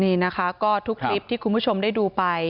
นี่นะคะก็ทุกคลิปที่คุณผู้ชมได้ดูไป